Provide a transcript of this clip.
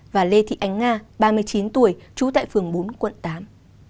và lê thị ánh nga ba mươi chín tuổi trú tại phường bốn quận tám